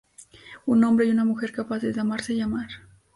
Un hombre y una mujer capaces de amarse y amar.